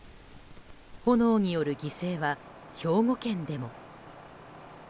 炎による犠牲は兵庫県でも。